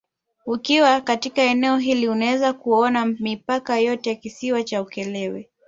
Ukiwa katika eneo hili unaweza kuona mipaka yote ya Kisiwa cha Ukerewe